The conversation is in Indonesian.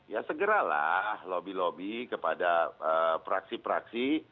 ya segeralah lobby lobby kepada praksi praksi